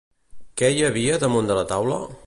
Què hi havia damunt de la taula?